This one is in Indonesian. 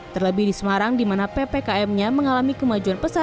terlebih di semarang di mana ppkm nya mengalami kemajuan pesat